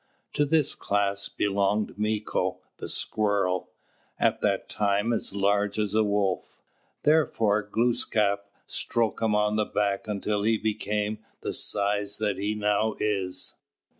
To this class belonged Mīko, the Squirrel, at that time as large as a wolf. Therefore Glūskap stroked him on the back until he became the size that he now is.